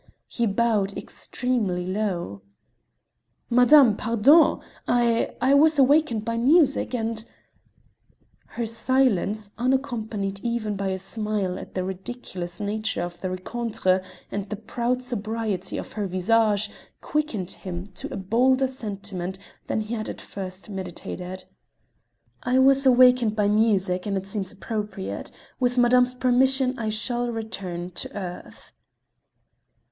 He bowed extremely low. "Madame; pardon! I I was awakened by music, and " Her silence, unaccompanied even by a smile at the ridiculous nature of the recontre, and the proud sobriety of her visage, quickened him to a bolder sentiment than he had at first meditated. "I was awakened by music, and it seems appropriate. With madame's permission, I shall return to earth."